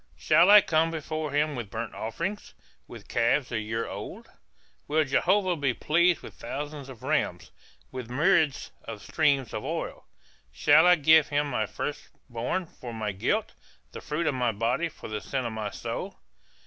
Shall I come before him with burnt offerings, With calves a year old? Will Jehovah be pleased with thousands of rams, With myriads of streams of oil? Shall I give him my first born for my guilt, The fruit of my body for the sin of my soul?